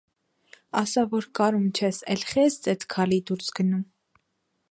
- Ասա, որ կարում չես, էլ խի՞ ես ծեքծքալի դուրս գնում: